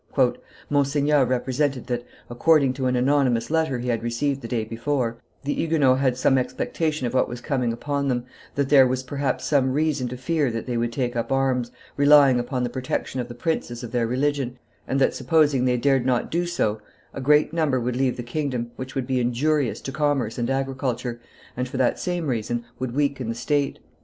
"Monseigneur represented that, according to an anonymous letter he had received the day before, the Huguenots had some expectation of what was coming upon them, that there was perhaps some reason to fear that they would take up arms, relying upon the protection of the princes of their religion, and that, supposing they dared not do so, a great number would leave the kingdom, which would be injurious to commerce and agriculture, and, for that same reason, would weaken the state.